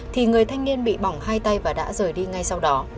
thì người thanh niên bị bỏng hai tay và đã rời đi ngay sau đó